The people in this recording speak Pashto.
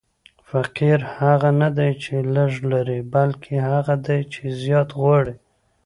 فقیر هغه نه دئ، چي لږ لري؛ بلکي هغه دئ، چي زیات غواړي.